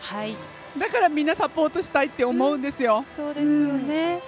だからみんなサポートしたいと思うんですよ。